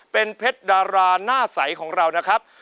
เป็นเพชรดาราหน้าใสของเรานะครับ